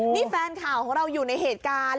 นี่แฟนข่าวของเราอยู่ในเหตุการณ์